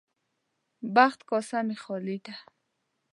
بخت کاسه مې خالي ده.